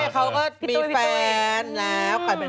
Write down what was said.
เขาก็มีแฟนแล้ว